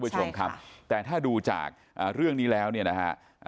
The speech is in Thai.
ใช่ค่ะแต่ถ้าดูจากเรื่องนี้แล้วเนี่ยนะฮะ